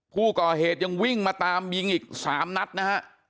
ผู้ก่อเหตุยังวิ่งมาตามยิงอีก๓นัดนะฮะ